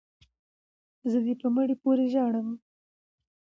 ـ زه دې په مړي پورې ژاړم،